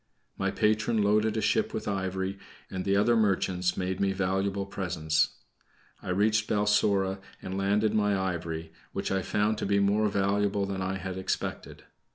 My patron loaded a ship with ivory, and the other merchants made me valuable presents. I reached Balsora and landed my ivory, which I found to be more valuable than I had expected.